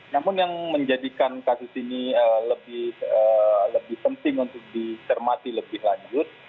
namun yang menjadikan kasus ini lebih penting untuk dicermati lebih lanjut